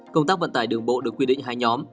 công tác vận tải đường bộ được quy định hai nhóm